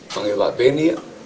panggil pak benny